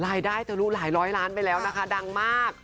รายได้แต่รู้หลายร้อยล้านไปแล้วนะคะดังมาก